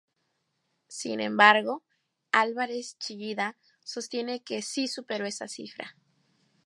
Sin embargo, Álvarez Chillida sostiene que sí superó esa cifra.